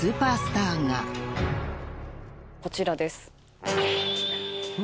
こちらです。